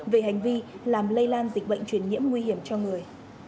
về hành vi làm lây lan dịch bệnh truyền nhiễm nguy hiểm cho người